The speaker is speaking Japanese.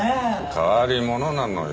変わり者なのよ